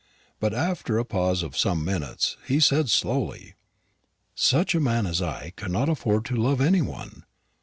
But after a pause of some minutes he said slowly, "Such a man as I cannot afford to love any one.